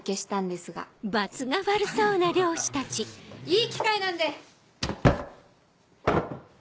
いい機会なんで。